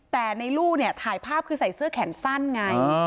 แต่ในลูกเนี่ยถ่ายภาพคือใส่เสื้อแขนสั้นไง